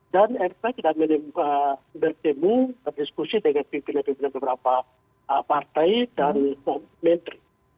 dan mrp tidak bertemu berdiskusi dengan pimpinan pimpinan beberapa partai dan menteri